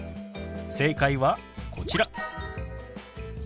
正解はこちら。